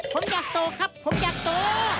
ผมอยากโตครับผมอยากโต